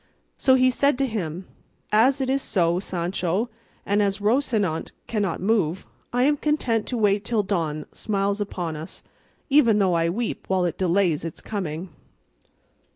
So he said to him, "As it is so, Sancho, and as Rocinante cannot move, I am content to wait till dawn smiles upon us, even though I weep while it delays its coming."